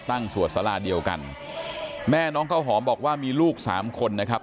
สวดสาราเดียวกันแม่น้องข้าวหอมบอกว่ามีลูกสามคนนะครับ